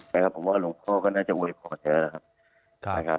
ผมว่าหลวงพ่อก็น่าจะโวยพอเท่านั้น